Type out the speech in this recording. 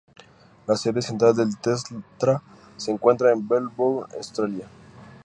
La sede central de Telstra se encuentra en Melbourne, Australia.